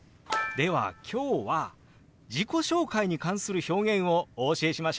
では今日は自己紹介に関する表現をお教えしましょう！